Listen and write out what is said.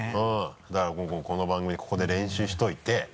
だからこの番組ここで練習しといて。